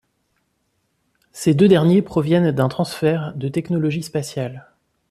Ces deux derniers proviennent d'un transfert de technologies spatiales.